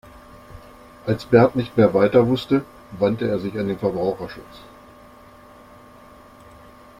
Als Bert nicht mehr weiter wusste, wandte er sich an den Verbraucherschutz.